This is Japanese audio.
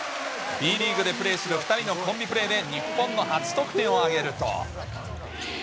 Ｂリーグでプレーする２人のコンビプレーで日本の初得点を挙げると。